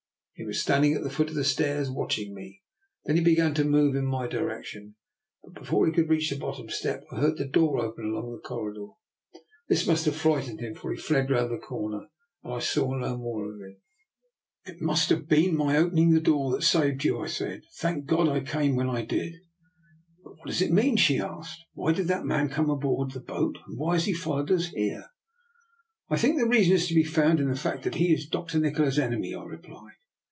He was standing at the foot of the stairs watching me. Then he began to move in my direction; but before he could reach the bot tom step I heard a door open along the cor ridor. This must have frightened him, for he fled round the corner, and I saw no more of him." " It must have been my opening the door that saved you," I said. " Thank God I came when I did!" '* But what does it mean? " she asked. " Why did that man come on board the boat, and why has he followed us here? "" I think the reason is to be found in the fact that he is Dr. Nikola's enemy," I replied.